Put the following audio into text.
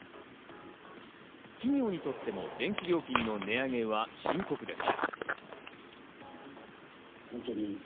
企業にとっても電気料金の値上げは深刻です。